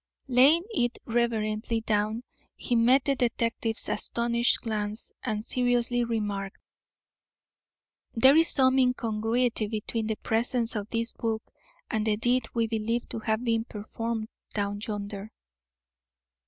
Laying it reverently down he met the detective's astonished glance and seriously remarked: "There is some incongruity between the presence of this book and the deed we believe to have been performed down yonder."